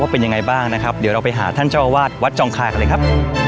เป็นยังไงบ้างนะครับเดี๋ยวเราไปหาท่านเจ้าอาวาสวัดจองคากันเลยครับ